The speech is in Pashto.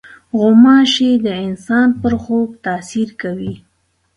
غوماشې د انسان پر خوب تاثیر کوي.